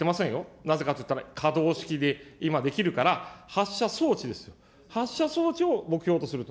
なぜかっていったら、可動式で今できるから発射装置ですよ、発射装置を目標とすると。